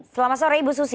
selamat sore ibu susi